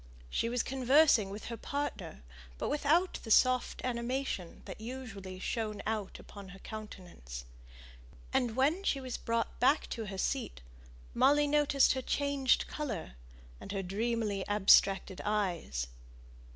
She was conversing with her partner, but without the soft animation that usually shone out upon her countenance. And when she was brought back to her seat Molly noticed her changed colour, and her dreamily abstracted eyes.